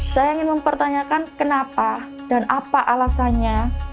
saya ingin mempertanyakan kenapa dan apa alasannya